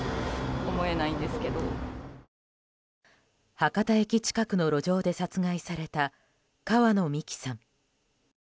博多駅近くの路上で殺害された川野美樹さん。